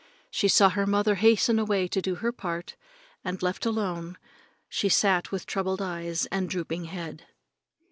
She saw her mother hasten away to do her part and, left alone, she sat with troubled eyes and drooping head.